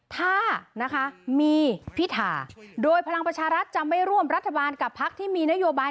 ถ้านะคะมีพิธาโดยพลังประชารัฐจะไม่ร่วมรัฐบาลกับพักที่มีนโยบาย